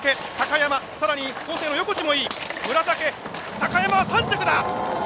高山は３着だ。